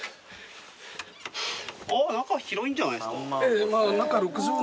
あ中広いんじゃないですか？